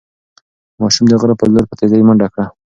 ماشوم د غره په لور په تېزۍ منډه کړه.